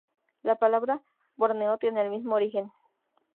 La palabra "Borneo" tiene el mismo origen.